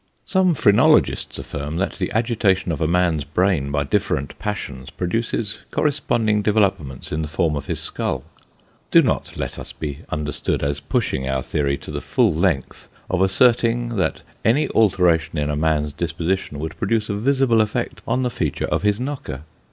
Some phrenologists affirm, that the agitation of a man's brain by different passions, produces corresponding developments in the form of his skull. Do not let us be understood as pushing our theory to Knockers of the Past. 3 1 the full length of asserting, that any alteration in a man's disposition would produce a visible effect on the feature of his knocker.